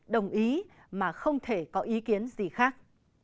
đồng ý mà không thể có ý kiến gì khác